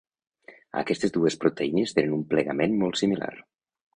Aquestes dues proteïnes tenen un plegament molt similar.